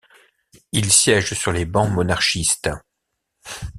Il siège sur les bancs monarchistes.